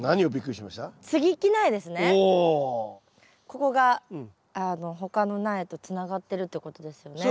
ここが他の苗とつながってるってことですよね。